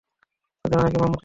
তাদের অনেকেই মুহাম্মাদকে চিনত।